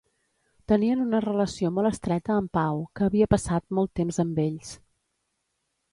Tenien una relació molt estreta amb Pau, que havia passat molt temps amb ells.